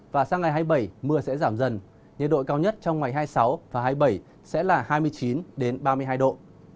và sang ngày hai mươi bảy mưa sẽ giảm dần nhiệt độ cao nhất trong ngày hai mươi sáu và hai mươi bảy sẽ là hai mươi chín ba mươi hai độ